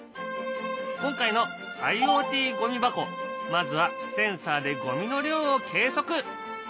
今回のＩｏＴゴミ箱まずはセンサーでゴミの量を計測。